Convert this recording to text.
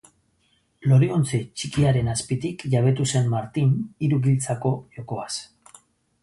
Loreontzi txikiaren azpitik jabetu zen Martin hiru giltzako jokoaz.